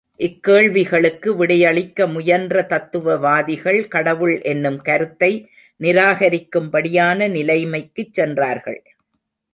இக்கேள்விகளுக்கு விடையளிக்க முயன்ற தத்துவவாதிகள் கடவுள் என்னும் கருத்தை நிராகரிக்கும்படியான நிலைமைக்குச் சென்றார்கள்.